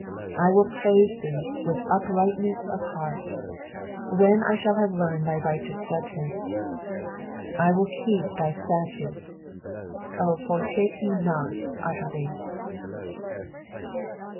7 I will praise thee with uprightness of heart, when I shall have learned thy righteous judgments. 8 I will keep thy statutes : O forsake me not utterly.